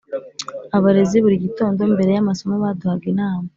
abarezi buri gitondo mbere y’amasomo baduhaga inama.